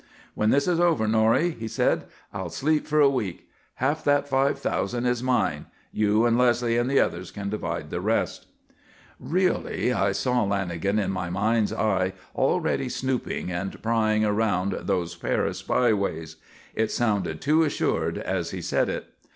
"When this is over, Norrie," he said, "I'll sleep for a week. Half that $5,000 is mine; you and Leslie and the others can divide the rest." Really, I saw Lanagan in my mind's eye already snooping and prying around those Paris byways; it sounded too assured as he said it.